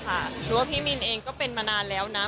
เพราะว่าพี่มินเองก็เป็นมานานแล้วนะ